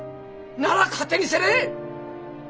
なら勝手にせんね！